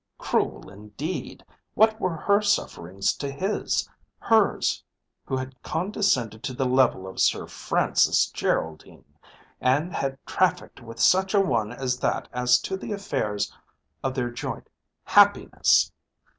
Cruel indeed! What were her sufferings to his, hers, who had condescended to the level of Sir Francis Geraldine, and had trafficked with such a one as that as to the affairs of their joint happiness!